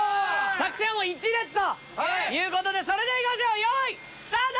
作戦は１列ということでそれではいきましょう用意スタート！